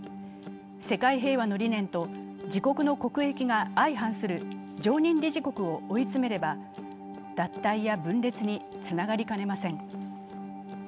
世界平和の理念と自国の国益が相反する常任理事国を追い詰めれば脱退や分裂につながりかねません。